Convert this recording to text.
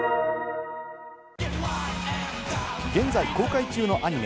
現在公開中のアニメ